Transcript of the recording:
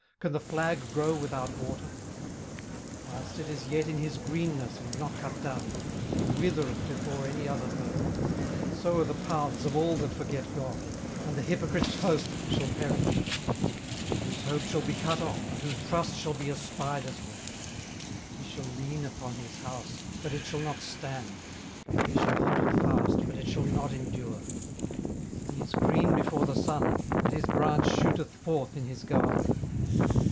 can the flag grow without water? 18:008:012 Whilst it is yet in his greenness, and not cut down, it withereth before any other herb. 18:008:013 So are the paths of all that forget God; and the hypocrite's hope shall perish: 18:008:014 Whose hope shall be cut off, and whose trust shall be a spider's web. 18:008:015 He shall lean upon his house, but it shall not stand: he shall hold it fast, but it shall not endure. 18:008:016 He is green before the sun, and his branch shooteth forth in his garden.